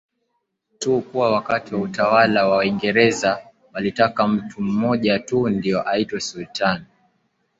tu kuwa wakati wa Utawala wa Waingereza walitaka mtu mmoja tu ndiyo aitwe Sultan